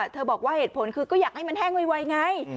บอกว่าเหตุผลคือก็อยากให้มันแห้งไวไง